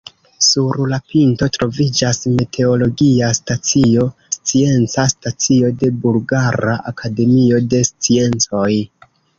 Sur la pinto troviĝas meteologia stacio, scienca stacio de Bulgara Akademio de Sciencoj.